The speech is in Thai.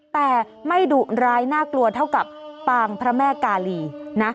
แต่ไม่ดุร้ายน่ากลัวเท่ากับปางพระแม่กาลีนะ